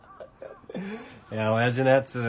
いやおやじのやつ